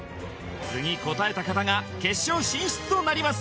次答えた方が決勝進出となります